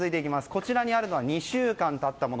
こちらにあるのは２週間経過したもの。